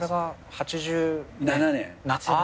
８７年。